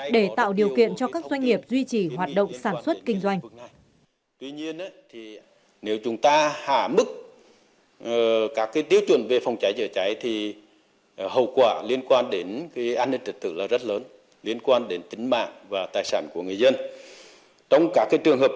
để tạo điều kiện cho các doanh nghiệp duy trì hoạt động sản xuất kinh doanh